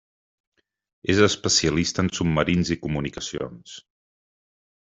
És especialista en Submarins i Comunicacions.